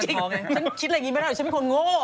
ฉันคิดอะไรงี้ไม่ได้เหรอฉันเป็นคนโง่